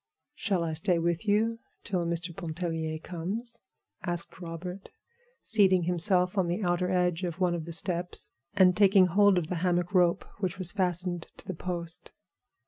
"Shall I stay with you till Mr. Pontellier comes?" asked Robert, seating himself on the outer edge of one of the steps and taking hold of the hammock rope which was fastened to the post.